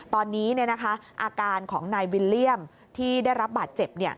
ตอนนี้อาการของนายวิลเลี่ยมที่ได้รับบาดเจ็บ